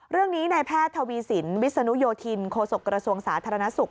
เรื่องนี้นายแพทย์ทวีสินวิศนุโยธินโคศกระทรวงสาธารณสุข